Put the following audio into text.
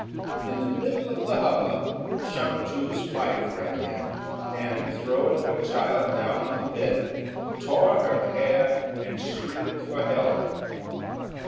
In the middle of the hubbub Hsiang ju's wife ran in, and, throwing her child down on the bed, tore her hair and shrieked for help.